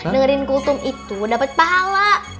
dengerin kutum itu dapet pahala